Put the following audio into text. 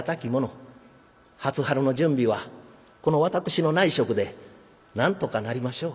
初春の準備はこの私の内職でなんとかなりましょう」。